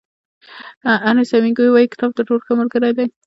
ارنیست هېمېنګوی وایي کتاب تر ټولو ښه ملګری دی.